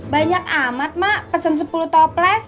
banyak amat mak pesan sepuluh toples